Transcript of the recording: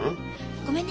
ごめんね。